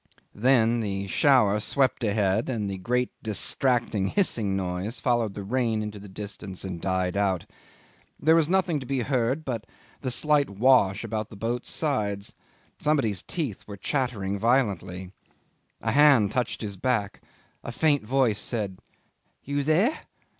Then the shower swept ahead, and the great, distracting, hissing noise followed the rain into distance and died out. There was nothing to be heard then but the slight wash about the boat's sides. Somebody's teeth were chattering violently. A hand touched his back. A faint voice said, "You there?"